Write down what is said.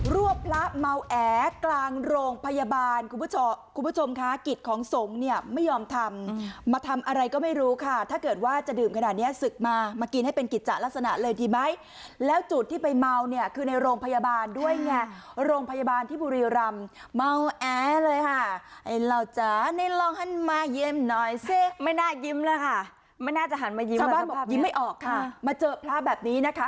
รวบพระเมาแอกลางโรงพยาบาลคุณผู้ชมค่ะกิตของสงฆ์เนี่ยไม่ยอมทำมาทำอะไรก็ไม่รู้ค่ะถ้าเกิดว่าจะดื่มขนาดเนี้ยสึกมามากินให้เป็นกิจจักรลักษณะเลยดีไหมแล้วจุดที่ไปเมาเนี่ยคือในโรงพยาบาลด้วยเนี่ยโรงพยาบาลที่บุรีรำเมาแอเลยค่ะเราจะเน้นลองให้มายิ่มหน่อยสิไม่น่ายิ้มแล้วค่ะไม่น่าจะหั